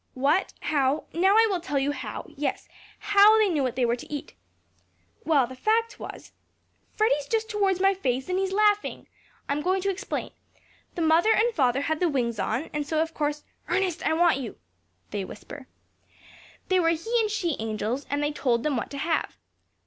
What how now I will tell you how, yes, how they knew what they were to eat. Well, the fact was, that Freddy's just towards my face, and he's laughing! I'm going to explain. The mother and father had the wings on, and so, of course Ernest, I want you!" (They whisper.) "they were he and she angels, and they told them what to have.